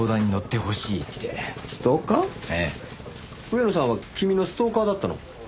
上野さんは君のストーカーだったの？